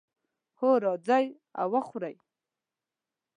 هو، راځئ او وخورئ